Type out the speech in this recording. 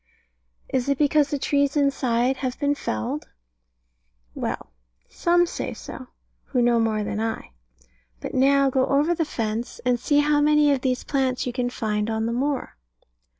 Is it because the trees inside have been felled? Well, some say so, who know more than I. But now go over the fence, and see how many of these plants you can find on the moor.